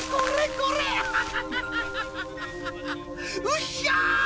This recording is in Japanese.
うっひゃ